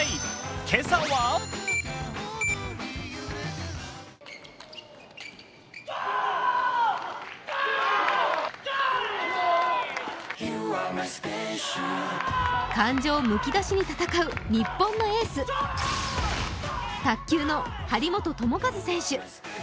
今朝は感情むき出しに戦う日本のエース卓球の張本智和選手。